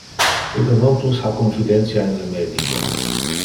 Ille non plus ha confidentia in le medico.